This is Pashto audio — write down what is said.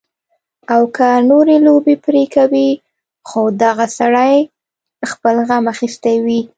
او کۀ نورې لوبې پرې کوي خو دغه سړے خپل غم اخستے وي